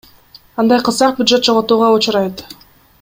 Андай кылсак бюджет жоготууга учурайт.